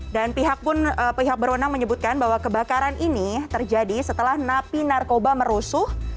dan pihak pun pihak berwenang menyebutkan bahwa kebakaran ini terjadi setelah napi narkoba merusuh